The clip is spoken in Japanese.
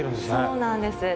そうなんです。